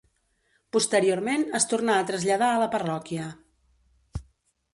Posteriorment es tornà a traslladar a la parròquia.